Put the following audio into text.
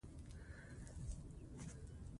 تنوع د افغانستان د ولایاتو په کچه توپیر لري.